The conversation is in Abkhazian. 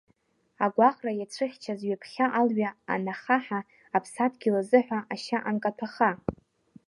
Агәаҟра иацәыхьчаз ҩаԥхьа алҩа анахаҳа, аԥсадгьыл азыҳәа ашьа анкаҭәатәха…